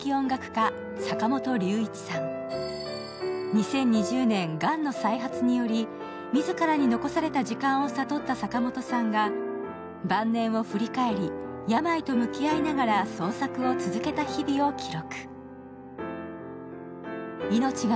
２０２０年がんの再発により自らに残された時間を悟った坂本さんが晩年を振り返り病と向き合いながら創作を続けた日々を記録。